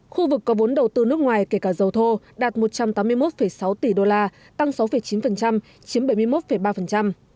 khu vực có vốn đầu tư nước ngoài kể cả dầu thô đạt một trăm tám mươi một sáu tỷ đô la tăng sáu chín chiếm bảy mươi một ba